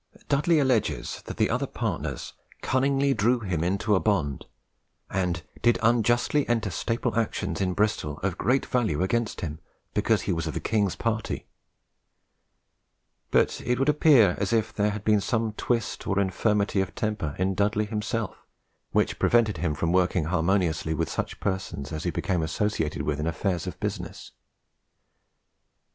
Dudley alleges that the other partners "cunningly drew him into a bond," and "did unjustly enter staple actions in Bristol of great value against him, because he was of the king's party;" but it would appear as if there had been some twist or infirmity of temper in Dudley himself, which prevented him from working harmoniously with such persons as he became associated with in affairs of business.